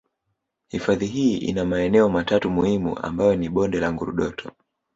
Hifadhi hii ina maeneo matatu muhimu ambayo ni bonde la Ngurdoto